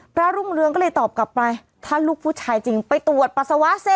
รุ่งเรืองก็เลยตอบกลับไปถ้าลูกผู้ชายจริงไปตรวจปัสสาวะสิ